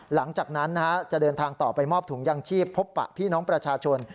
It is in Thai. หลังจากนั้นจะเดินทางต่อไปมอบถุงยางชีพพบปะพี่น้องประชาชน